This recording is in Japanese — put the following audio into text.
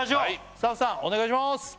スタッフさんお願いします